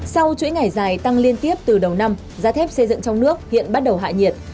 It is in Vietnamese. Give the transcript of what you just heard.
sau chuỗi ngày dài tăng liên tiếp từ đầu năm giá thép xây dựng trong nước hiện bắt đầu hạ nhiệt